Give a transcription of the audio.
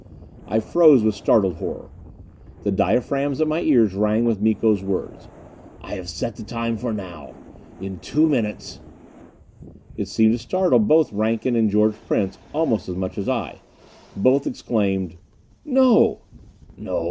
I froze with startled horror. The diaphragms at my ears rang with Miko's words: "I have set the time for now! In two minutes " It seemed to startle both Rankin and George Prince almost as much as I. Both exclaimed: "No!" "No?